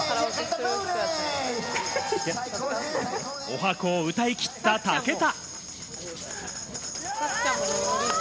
十八番を歌いきった武田。